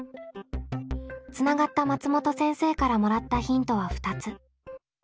つながった松本先生からもらったヒントは２つ。